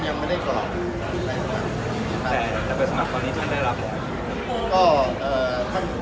เราก็ไม่ได้รับคำปรับเศพเถอะครับ